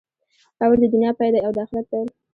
قبر د دنیا پای دی او د آخرت پیل.